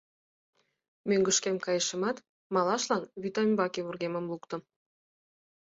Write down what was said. Мӧҥгышкем кайышымат, малашлан вӱтамбаке вургемым луктым.